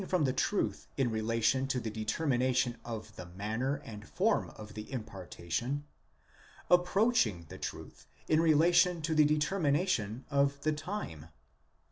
749 from the truth in relation to the determination of the manner and form of the impartation, approaching the truth in relation to the determination of the time.